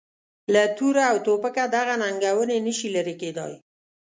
له توره او توپکه دغه ننګونې نه شي لرې کېدای.